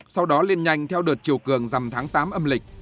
sau đó lên nhanh theo đợt chiều cường dằm tháng tám âm lịch